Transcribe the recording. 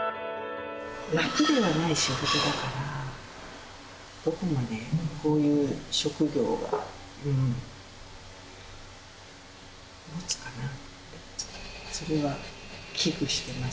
楽ではない仕事だから、どこまでこういう職業がもつかなって。